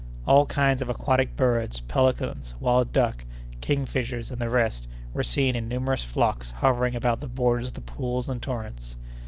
All kinds of aquatic birds—pelicans, wild duck, kingfishers, and the rest—were seen in numerous flocks hovering about the borders of the pools and torrents.